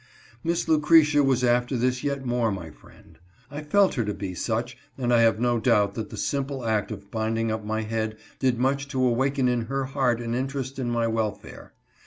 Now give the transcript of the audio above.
Miss Lucretia was after this yet more my friend. I felt her to be such and I have no doubt that the simple act of binding up my head did much to awaken in her heart an interest in my welfare.